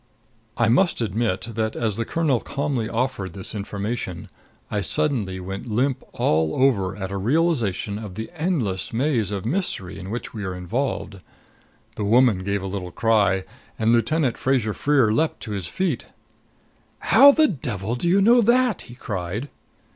I must admit that, as the colonel calmly offered this information, I suddenly went limp all over at a realization of the endless maze of mystery in which we were involved. The woman gave a little cry and Lieutenant Fraser Freer leaped to his feet. "How the devil do you know that?" he cried.